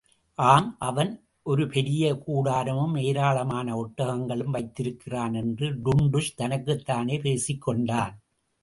ஆம், அவன் ஒரு பெரிய கூடாரமும் ஏராளமான ஒட்டகங்களும் வைத்திருக்கிறான் என்று டுன்டுஷ் தனக்குத்தானே பேசிக் கொண்டான்.